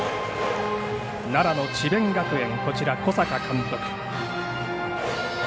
奈良の智弁学園、小坂監督。